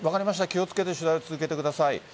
気をつけて取材を続けてください。